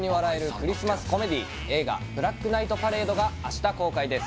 クリスマスコメディ映画「ブラックナイトパレード」が明日公開です